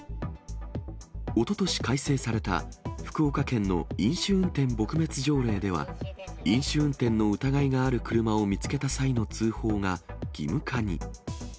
おととし改正された、福岡県の飲酒運転撲滅条例では、飲酒運転の疑いがある車を見つけた際の通報が、義務化に。